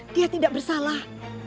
dia tidak bersalah